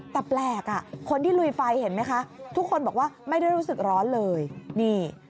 แต่แปลกอ่ะคนที่ลุยไฟเห็นไหมคะทุกคนบอกว่าไม่ได้รู้สึกร้อนเลยนี่